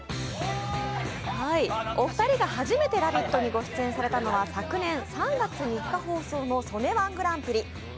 お二人が初めて「ラヴィット！」にご出演されたのは昨年の「曽根−１グランプリ」。